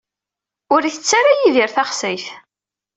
Ur itett ara Yidir taxsayt.